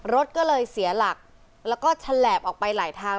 รถก็เลยเสียหลักแล้วก็ฉลาบออกไปหลายทาง